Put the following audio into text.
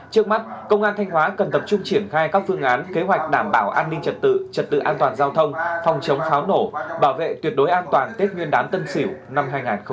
trước mắt công an thanh hóa cần tập trung triển khai các phương án kế hoạch đảm bảo an ninh trật tự trật tự an toàn giao thông phòng chống pháo nổ bảo vệ tuyệt đối an toàn tết nguyên đán tân sỉu năm hai nghìn hai mươi một